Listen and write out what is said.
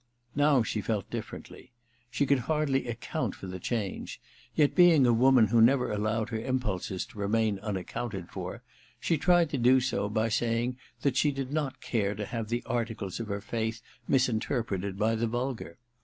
Now she felt difFerendy. She could hardly account for the change, yet being a woman who never allowed her impulses to remain unaccounted for, she tried to do so by saying that she did not care to have the articles of her faith misinterpreted by the vulgar.